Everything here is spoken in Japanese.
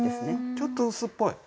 ちょっと薄っぽい？